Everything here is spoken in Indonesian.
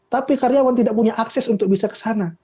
tapi karyawan tidak punya akses untuk bisa ke sana